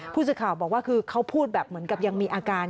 ผู้สื่อข่าวบอกว่าคือเขาพูดแบบเหมือนกับยังมีอาการ